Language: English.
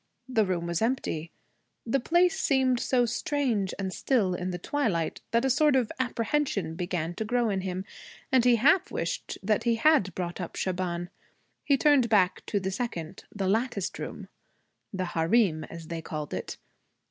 The room was empty. The place seemed so strange and still in the twilight that a sort of apprehension began to grow in him, and he half wished he had brought up Shaban. He turned back to the second, the latticed room the harem, as they called it.